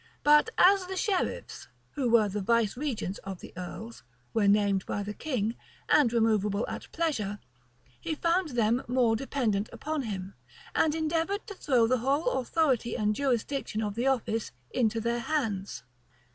[] But as the sheriffs, who were the vicegerents of the earls, were named by the king, and removable at pleasure, he found them more dependent upon him; and endeavored to throw the whole authority and jurisdiction of the office into their hands.